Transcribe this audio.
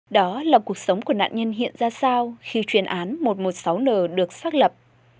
đó là cuộc sống của nạn nhân hiện ra sao khi chuyên án một trăm một mươi sáu n được xác lập